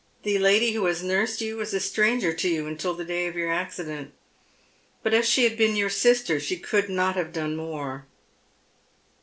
The lady who has nursed you was a stranger to you until the day of your accident, but if she had been your sister she could not have done more."